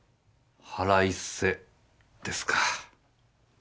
腹いせですか。